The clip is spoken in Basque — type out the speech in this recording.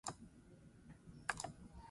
Dagoeneko maketa bat atera dute.